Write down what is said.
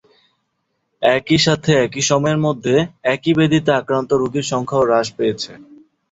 একই সাথে একই সময়ের মধ্যে এই ব্যাধিতে আক্রান্ত রোগীর সংখ্যাও হ্রাস পেয়েছে।